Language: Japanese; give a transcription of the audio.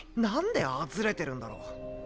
何でああズレてるんだろう。